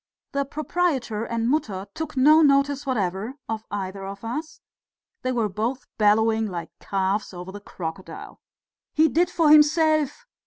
The proprietor and Mutter took no notice whatever of either of us; they were both bellowing like calves over the crocodile. "He did for himself!